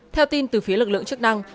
theo tin từ phía lực lượng chức năng